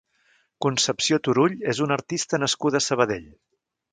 Concepció Turull és una artista nascuda a Sabadell.